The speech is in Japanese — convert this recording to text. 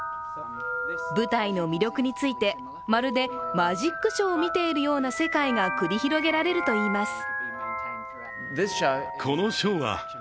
舞台の魅力についてまるでマジックショーを見ているような世界が繰り広げられるといいます。